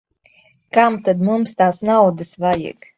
Kam tad mums tās naudas vajag.